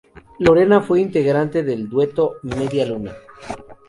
Lorena fue integrante del dueto "Media Luna".